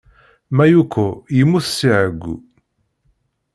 Mayuko yemmut si ɛeggu.